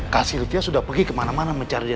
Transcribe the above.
kak sylvia sudah pergi kemana mana mencari dia